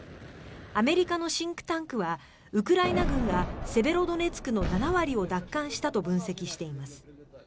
アメリカのシンクタンクはウクライナ軍がセベロドネツクの７割を奪還したと分析しています。